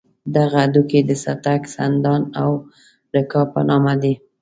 دغه هډوکي د څټک، سندان او رکاب په نامه دي.